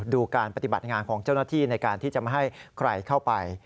ดูการปฏิบัติงานของเจ้าหน้าที่ในการที่จะไม่ให้ใครเข้าไป